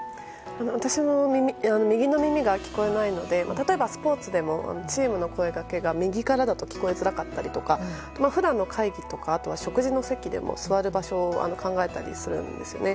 私も右の耳が聞こえないので例えばスポーツでもチームの声がけが右からだと聞こえづらかったりとか普段の会議とか食事の席でも座る場所を考えたりするんですね。